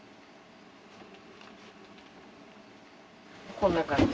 こんな感じ。